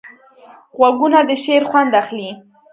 غوږونه د شعر خوند اخلي